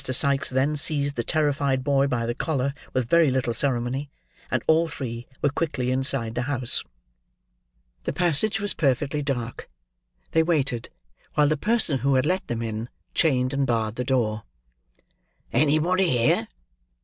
Sikes then seized the terrified boy by the collar with very little ceremony; and all three were quickly inside the house. The passage was perfectly dark. They waited, while the person who had let them in, chained and barred the door. "Anybody here?"